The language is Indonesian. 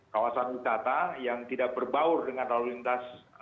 kawasan wisata yang tidak berbaur dengan lalu lintas